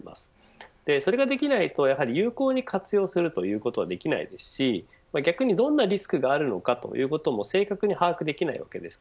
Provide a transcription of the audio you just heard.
それができないと、有効に活用することもできないですし逆にどんなリスクがあるのかということも正確に把握できません。